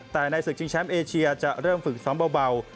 แต่ในศึกชิงแชมป์เอเชียจะเริ่มฝึกซ้อมเบา